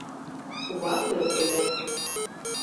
Кува пӧртыльӧ.